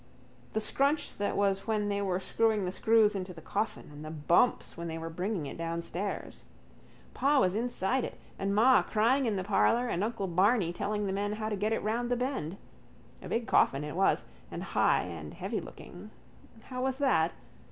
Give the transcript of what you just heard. The scrunch that was when they were screwing the screws into the coffin: and the bumps when they were bringing it downstairs. Pa was inside it and ma crying in the parlour and uncle Barney telling the men how to get it round the bend. A big coffin it was, and high and heavylooking. How was that?